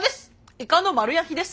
イカの丸焼きです！